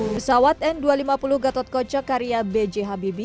pesawat n dua ratus lima puluh gatotko cakaria bghbb